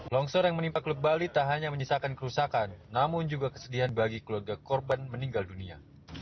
longsor yang menimpa klub bali tak hanya menyisakan kerusakan namun juga kesedihan bagi keluarga korban meninggal dunia